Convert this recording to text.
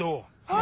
あ！